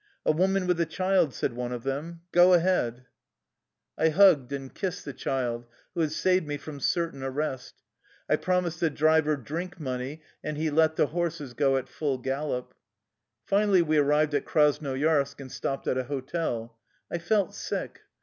"A woman with a child," said one of them. «Go ahead!" 120 THE LIFE STOKY OF A EUSSIAN EXILE I hugged and kissed the child who had saved me from certain arrest. I promised the driver na vodku ^^ and he let the horses go at full gal lop. Finally we arrived in Krasnoyarsk, and stopped at a hotel. I felt sick.